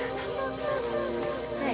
はい。